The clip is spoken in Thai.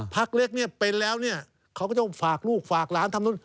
พักเล็กเป็นแล้วเขาก็จะฝากลูกฝากหลานทำนุ่น